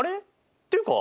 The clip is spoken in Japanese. っていうか